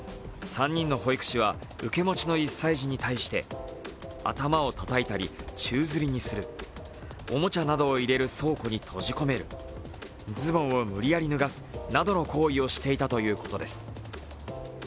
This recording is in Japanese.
か３人の保育士は受け持ちの１歳児に対して、頭をたたいたり、宙づりにする、おもちゃなどを入れる倉庫に閉じ込める、ズボンを無理やり脱がすなどの行為をしていたということです。